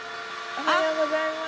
おはようございます。